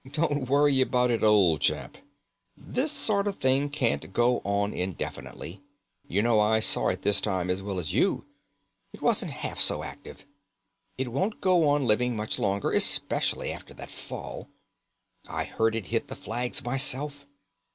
"Don't worry about it, old chap. This sort of thing can't go on indefinitely. You know I saw it this time as well as you. It wasn't half so active. It won't go on living much longer, especially after that fall. I heard it hit the flags myself.